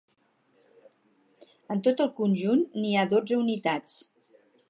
En tot el conjunt n'hi ha dotze unitats.